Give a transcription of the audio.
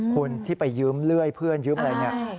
คุณที่ไปยืมเลื่อยเพื่อนยืมอะไรเนี่ย